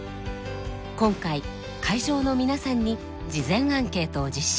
今回会場の皆さんに事前アンケートを実施。